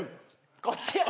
こっちや。